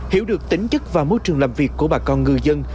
hiểu được tính chất và môi trường làm việc của bà con ngư dân